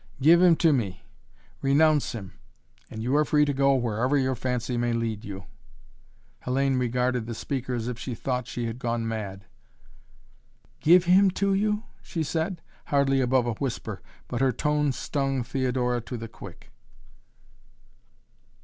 Give him to me renounce him and you are free to go wherever your fancy may lead you." Hellayne regarded the speaker as if she thought she had gone mad. "Give him to you?" she said, hardly above a whisper, but her tone stung Theodora to the quick.